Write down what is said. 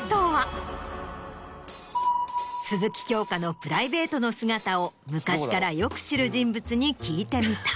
鈴木京香のプライベートの姿を昔からよく知る人物に聞いてみた。